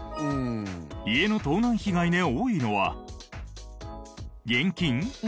家の盗難被害で多いのは現金？